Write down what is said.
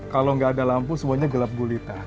kalau nggak ada lampu semuanya gelap gulita